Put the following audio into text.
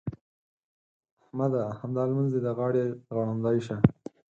احمده! همدا لمونځ دې د غاړې غړوندی شه.